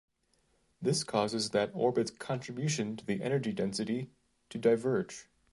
This causes that orbit's contribution to the energy density to diverge.